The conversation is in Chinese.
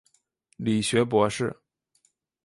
理学博士。